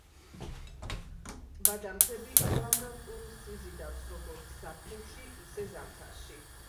ტბა და მთები უამრავ ტურისტს იზიდავს, როგორც ზაფხულში, ისე ზამთარში.